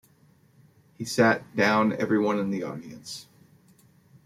He sat down everyone in the audience.